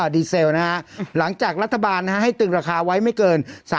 ดีเซลนะฮะหลังจากรัฐบาลให้ตึงราคาไว้ไม่เกิน